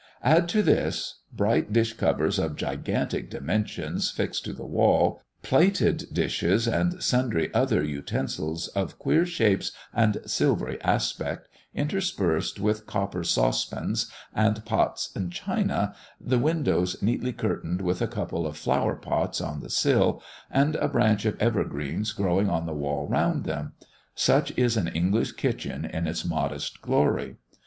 Add to this, bright dish covers of gigantic dimensions fixed to the wall, plated dishes, and sundry other utensils of queer shapes and silvery aspect, interspersed with copper sauce pans and pots and china, the windows neatly curtained, with a couple of flower pots on the sill, and a branch of evergreens growing on the wall round them such is an English kitchen in its modest glory.